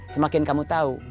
semakin kamu tahu